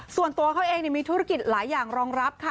ส่วนตัวเขาเองมีธุรกิจหลายอย่างรองรับค่ะ